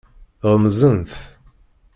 Ɣemzent.